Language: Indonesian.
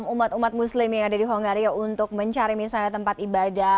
umat umat muslim yang ada di hunggari ya untuk mencari misalnya tempat ibadah mencari tempat khusus